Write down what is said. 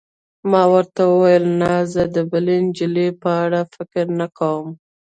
ما ورته وویل: نه، زه د بلې نجلۍ په اړه فکر نه کوم.